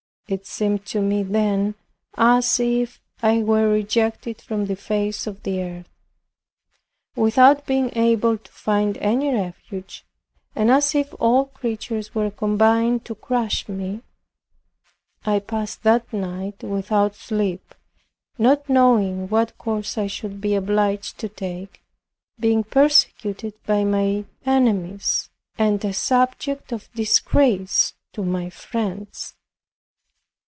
It seemed to me then as if I were rejected from the face of the earth, without being able to find any refuge, and as if all creatures were combined to crush me. I passed that night without sleep, not knowing what course I should be obliged to take, being persecuted by my enemies, and a subject of disgrace to my friends.